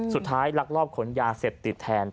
สุดท้ายรักรอบขนยาเสพติดแทน